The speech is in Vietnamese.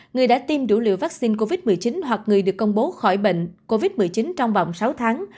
người đã tiêm đủ liều vaccine covid một mươi chín hoặc người được công bố khỏi bệnh covid một mươi chín trong vòng sáu tháng